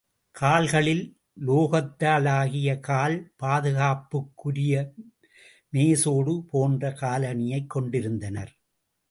கால்களிலும் உலோகத்தாலாகிய கால் பாதுகாப்புக்குரியமேசோடு போன்ற காலணியைக் கொண்டிருந்தனர்.